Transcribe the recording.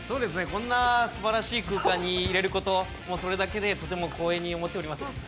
こんなすばらしい空間にいれること、それだけでとても光栄に思っております。